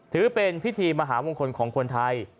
ถือเป็นพิธีมหามงคลของคนไทย